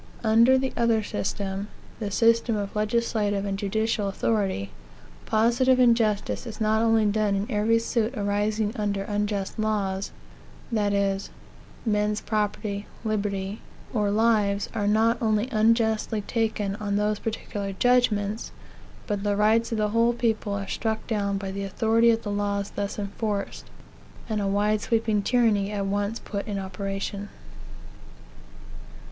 Under the other system the system of legislative and judicial authority positive injustice is not only done in every suit arising under unjust laws, that is, men's property, liberty, or lives are not only unjustly taken on those particular judgments, but the rights of the whole people are struck down by the authority of the laws thus enforced, and a wide sweeping tyranny at once put in operation.